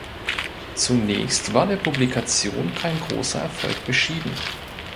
Zunächst war der Publikation kein großer Erfolg beschieden.